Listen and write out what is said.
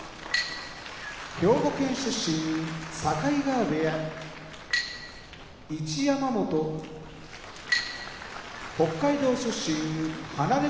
兵庫県出身境川部屋一山本北海道出身放駒部屋